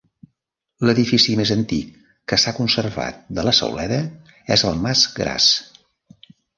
L'edifici més antic que s'ha conservat de la Sauleda és el mas Gras.